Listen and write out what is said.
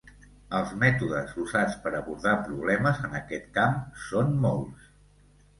Els mètodes usats per abordar problemes en aquest camp són molts.